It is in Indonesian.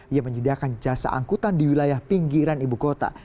yang menyediakan jasa angkutan di wilayah pinggiran ibu kota